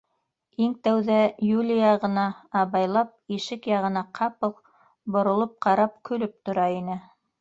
Иң тәүҙә Юлия ғына, абайлап, ишек яғына ҡапыл боролоп ҡарап көлөп тора ине.